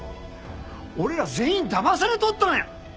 俺ら全員だまされとったんや！